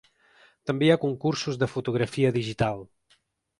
També hi ha concursos de fotografia digital.